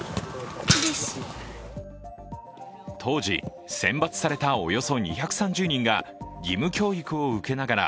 当時、選抜されたおよそ２３０人が義務教育を受けながら